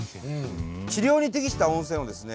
治療に適した温泉をですね